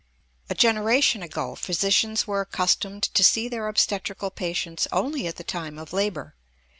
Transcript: A generation ago physicians were accustomed to see their obstetrical patients only at the time of labor.